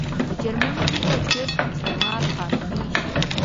په جرمني کې د چرسو استعمال قانوني شو.